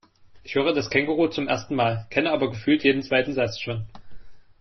Ich höre das Känguruh zum ersten Mal, kenne aber gefühlt jeden zweiten Satz schon.